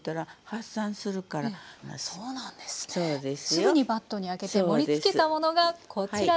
すぐにバットに空けて盛りつけたものがこちらです。